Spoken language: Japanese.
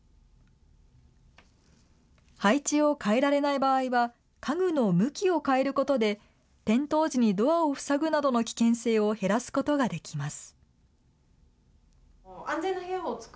配置を変えられない場合は、家具の向きを変えることで、転倒時にドアを塞ぐなどの危険性を減らすことができます。